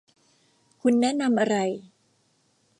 คุณแนะนำอะไร